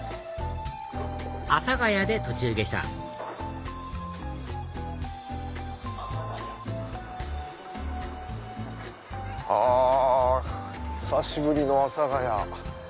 阿佐ケ谷で途中下車あ久しぶりの阿佐ケ谷。